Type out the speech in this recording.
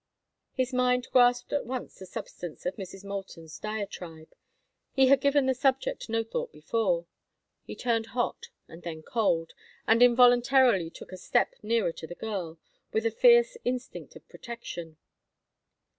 His mind grasped at once the substance of Mrs. Moulton's diatribe; he had given the subject no thought before. He turned hot and then cold, and involuntarily took a step nearer to the girl, with a fierce instinct of protection.